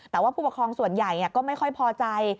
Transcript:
แต่ว่าผู้ปกครองส่วนใหญ่ก็ไม่ค่อยพอใจ